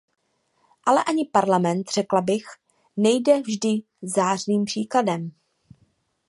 Ale ani Parlament, řekla bych, nejde vždy zářným příkladem.